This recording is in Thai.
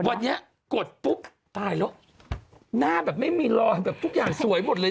วันนี้กดปุ๊บตายแล้วหน้าแบบไม่มีรอยแบบทุกอย่างสวยหมดเลย